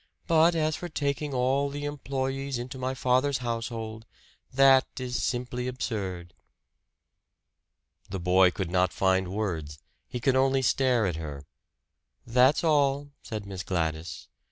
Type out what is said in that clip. But as for taking all the employees into my father's household that is simply absurd." The boy could not find words. He could only stare at her. "That's all," said Miss Gladys.